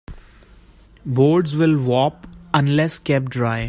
Boards will warp unless kept dry.